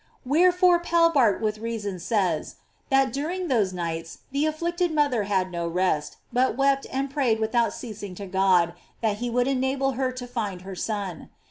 * Wherefore Pelbart with reason says, that during those nights the afflicted mother had no rest, but wept and prayed without ceasing to God, that he would enable her to find her Son.